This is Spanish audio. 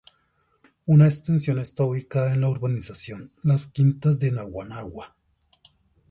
Esta extensión está ubicada en la Urbanización Las Quintas de Naguanagua.